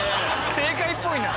正解っぽいな。